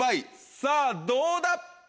さぁどうだ？